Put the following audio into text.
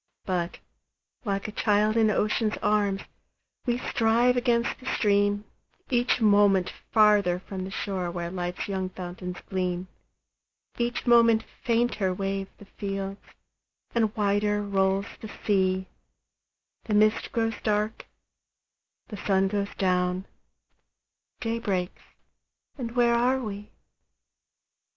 But, like a child in ocean's arms, We strive against the stream, Each moment farther from the shore Where life's young fountains gleam; Each moment fainter wave the fields, And wider rolls the sea; The mist grows dark, the sun goes down, Day breaks, and where are we?